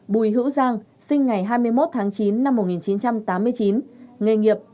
bùi hữu giang sinh ngày hai mươi một tháng chín năm một nghìn chín trăm tám mươi chín nghề nghiệp